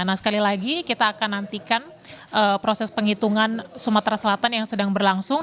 nah sekali lagi kita akan nantikan proses penghitungan sumatera selatan yang sedang berlangsung